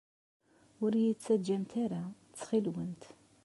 Ur iyi-ttaǧǧamt ara, ttxil-went!